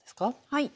はい。